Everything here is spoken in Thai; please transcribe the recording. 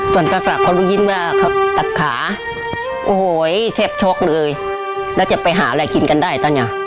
ส่วนตาศักดิ์เขารู้ยิ้มว่าเขาตัดขาโอ้โหแทบช็อกเลยแล้วจะไปหาอะไรกินกันได้ตอนนี้